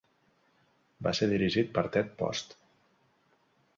Va ser dirigit per Ted Post.